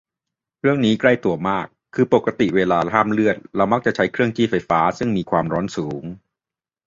เรื่องนี้ใกล้ตัวมาก คือปกติเวลาห้ามเลือดเรามักจะใช้เครื่องจี้ไฟฟ้า ซึ่งมีความร้อนสูง